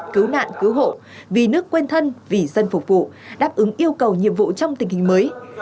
cứu nạn cứu hộ vì nước quên thân vì dân phục vụ đáp ứng yêu cầu nhiệm vụ trong tình hình mới